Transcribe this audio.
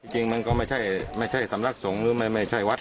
จริงมันก็ไม่ใช่สำนักศงศ์ไม่ใช่วัดนะ